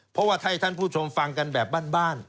เพราะว่าถ้าให้ท่านผู้ชมฟังกันแบบบ้าน